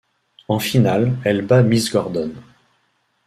En finale, elle bat Miss Gordon.